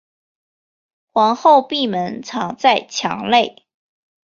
皇后闭门藏在墙内。